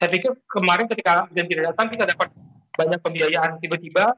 saya pikir kemarin ketika dan tidak datang kita dapat banyak pembiayaan tiba tiba